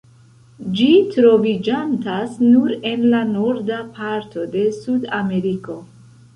Ĝi troviĝantas nur en la norda parto de Sudameriko.